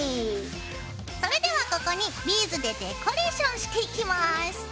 それではここにビーズでデコレーションしていきます。